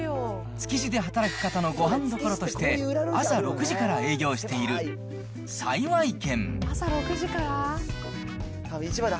築地で働く方のごはんどころとして、朝６時から営業している幸軒。